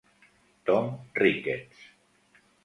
Tom Ricketts.